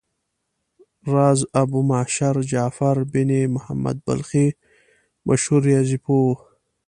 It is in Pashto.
راز ابومعشر جعفر بن محمد بلخي مشهور ریاضي پوه و.